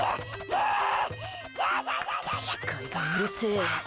視界が、うるせえ。